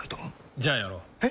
じゃあやろう。え？